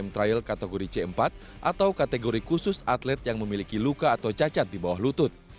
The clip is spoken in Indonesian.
yang terakhir adalah nomor individual time trial kategori c empat atau kategori khusus atlet yang memiliki luka atau cacat di bawah lutut